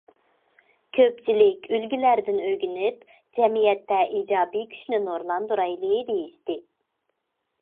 كۆپچىلىك ئۈلگىلەردىن ئۆگىنىپ، جەمئىيەتتە ئىجابىي كۈچنى نۇرلاندۇرايلى، دېيىشتى.